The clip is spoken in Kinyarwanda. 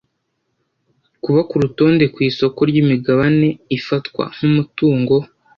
kuba ku rutonde ku isoko ry’imigabane ifatwa nk’umutungo